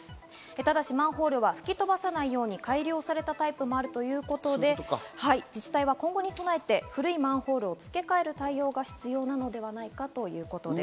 ただしマンホールは吹き飛ばさないように改良されたタイプもあるということで自治体は今後に備えて古いマンホールを付け替える対応が必要なのではないかということです。